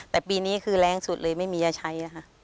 แต่ปีนี้คือแรงสุดเลยไม่มีจะใช้ค่ะ